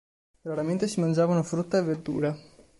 Raramente si mangiavano frutta e verdura.